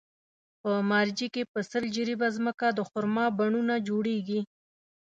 په مارجې کې په سل جریبه ځمکه د خرما پڼونه جوړېږي.